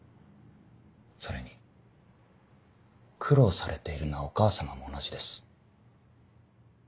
それに苦労されているのはお母様も同じです。